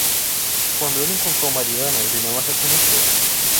Quando ele encontrou Mariana ele não a reconheceu.